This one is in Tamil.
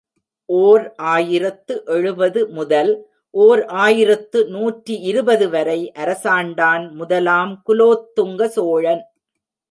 ஓர் ஆயிரத்து எழுபது முதல், ஓர் ஆயிரத்து நூற்றி இருபது வரை அரசாண்டான் முதலாம் குலோத்துங்க சோழன்.